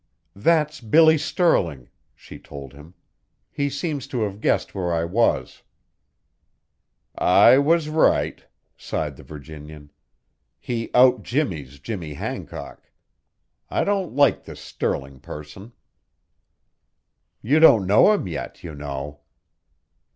"That's Billy Stirling," she told him. "He seems to have guessed where I was." "I was right," sighed the Virginian. "He out Jimmies Jimmy Hancock. I don't like this Stirling person." "You don't know him yet, you know."